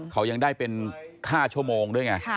เขายังได้เป็น๕ชั่วโมงด้วยไง